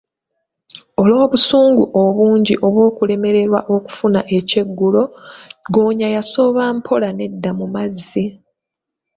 Olw'obusungu obungi obw'okulemererwa okufuna ekyeggulo, ggoonya yasooba mpola nedda mu mazzi.